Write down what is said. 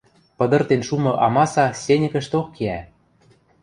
Пыдыртен шумы амаса сеньӹкӹшток киӓ.